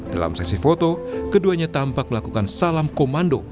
dalam sesi foto keduanya tampak melakukan salam komando